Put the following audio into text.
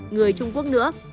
người trung quốc nữa